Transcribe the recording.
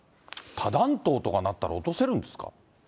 多弾頭とかなったら落とせるんですか？